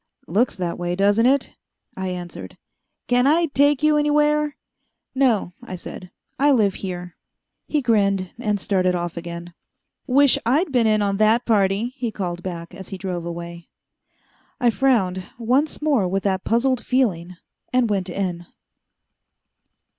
"Looks that way, doesn't it?" I answered. "Can I take you anywhere?" "No," I said, "I live here." He grinned, and started off again. "Wish I'd been in on that party!" he called back, as he drove away. I frowned, once more with that puzzled feeling, and went in.